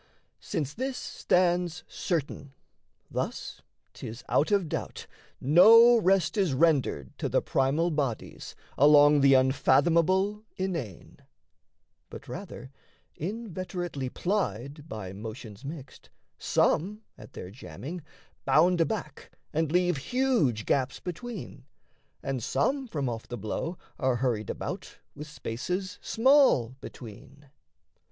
Since this stands certain, thus 'tis out of doubt No rest is rendered to the primal bodies Along the unfathomable inane; but rather, Inveterately plied by motions mixed, Some, at their jamming, bound aback and leave Huge gaps between, and some from off the blow Are hurried about with spaces small between.